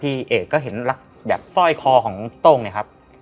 เอกก็เห็นแบบสร้อยคอของโต้งเนี่ยครับ